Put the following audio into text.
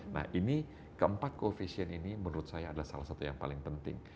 nah ini keempat koefisien ini menurut saya adalah salah satu yang paling penting